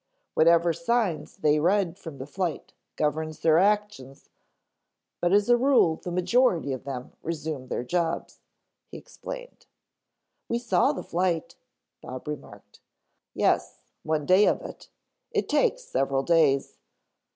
Whatever signs they read from the flight governs their actions but as a rule the majority of them resume their jobs," he explained. "We saw the flight," Bob remarked. "Yes, one day of it. It takes several days.